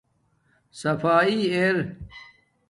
صفاݷݵ ار